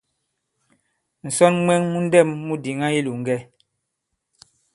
Ǹsɔn mwɛ̄ŋ mu ndɛ̂m mu diŋā i ilòŋgɛ.